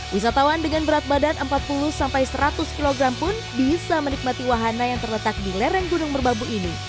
wisatawan dengan berat badan empat puluh sampai seratus kg pun bisa menikmati wahana yang terletak di lereng gunung merbabu ini